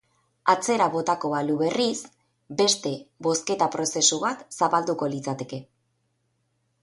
Atzera botako balu, berriz, beste bozketa prozesu bat zabalduko litzateke.